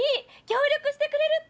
協力してくれるって！